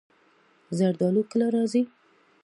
زردالو کله راځي؟